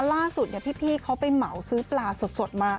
ล่าสุดพี่เขาไปเหมาซื้อปลาสดมา